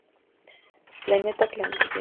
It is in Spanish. Planeta Clandestino.